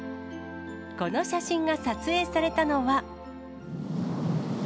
この写真が撮影されたのは。